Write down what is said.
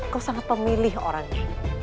kau sangat pemilih orang ini